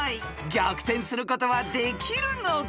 ［逆転することはできるのか？］